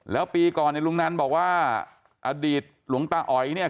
แล้วปีก่อนเนี่ยลุงนันบอกว่าอดีตหลวงตาอ๋อยเนี่ย